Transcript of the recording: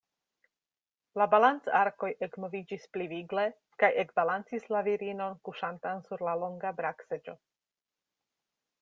La balancarkoj ekmoviĝis pli vigle kaj ekbalancis la virinon, kuŝantan sur la longa brakseĝo.